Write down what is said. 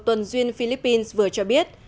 tuần duyên philippines vừa cho biết